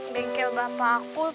bengkel bapak aku